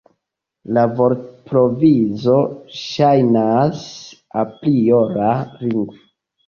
La vortprovizo ŝajnas apriora lingvo.